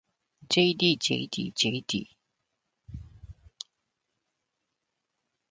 ｊｄｊｄｊｄ